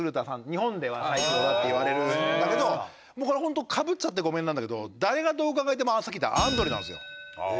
日本では最強だって言われるんだけどこれは本当かぶっちゃってごめんなんだけど誰がどう考えてもさっき言ったアンドレなんですよ。